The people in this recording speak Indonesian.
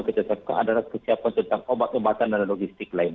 kita tetapkan adalah kesiapan tentang obat obatan dan logistik lain